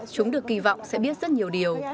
chúng được kỳ vọng sẽ biết rất nhiều điều